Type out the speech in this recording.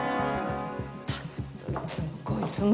ったくどいつもこいつも。